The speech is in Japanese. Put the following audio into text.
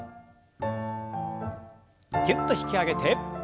ぎゅっと引き上げて。